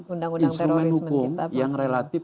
instrumen hukum yang relatif